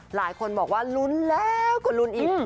หลายคนบอกว่าลุ้นแล้วก็ลุ้นอีก